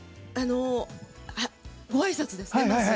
ごあいさつですね、まず。